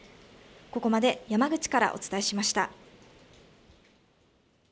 ここまで山口からお伝えしました。